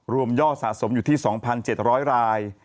ยอดสะสมอยู่ที่๒๗๐๐ราย